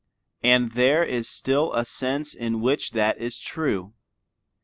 And there is still a sense in which that is true.